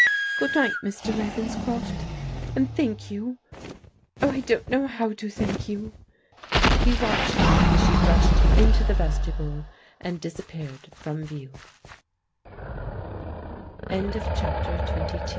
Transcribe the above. " Good night, Mr. Ravenscroft, and thank you !— Oh, I don't know how to thank you !" He watched her as she rushed into the vestibule and disappeared from view.